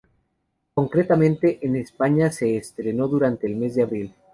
Concretamente, en España se estrenó durante del mes de abril.